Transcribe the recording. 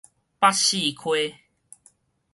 北勢溪